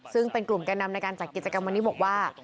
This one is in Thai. ซึ่งเป็นกลุ่มแก่นำในการจัดกิจกรรมวันนี้บอกว่า